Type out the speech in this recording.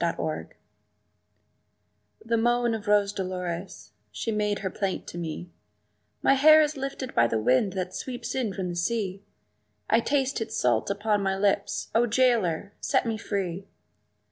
Rose Dolores THE moan of Rose Dolores, she made her plaint to me, "My hair is lifted by the wind that sweeps in from the sea; I taste its salt upon my lips O jailer, set me free!"